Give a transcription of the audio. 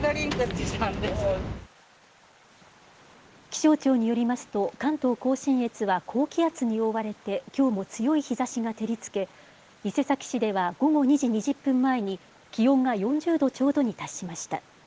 気象庁によりますと関東甲信越は高気圧に覆われてきょうも強い日差しが照りつけ伊勢崎市では午後２時２０分前に気温が４０度ちょうどに達しました。